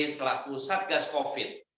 selaku satgas covid sembilan belas